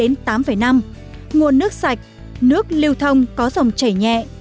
nguồn nước sạch nước lưu thông có dòng chảy nhẹ